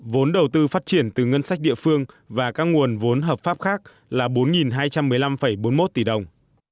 vốn đầu tư phát triển từ ngân sách địa phương và các nguồn vốn hợp pháp khác là bốn hai trăm một mươi năm bốn mươi một tỷ đồng